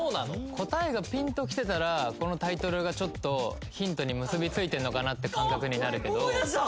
答えがピンときてたらこのタイトルがちょっとヒントに結びついてんのかなって感覚になるけど思い出した